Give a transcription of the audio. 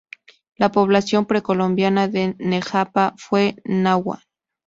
La población precolombina de Nejapa fue náhua.